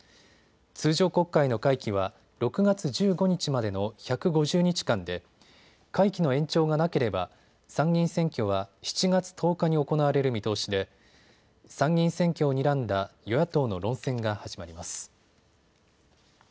通常国会の会期は６月１５日までの１５０日間で会期の延長がなければ参議院選挙は７月１０日に行われる見通しで参議院選挙をにらんだ与野党の論戦が始まります。